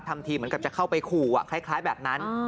ทำที่เหมือนจะเข้าไปขู่ใคร้แบบนั้น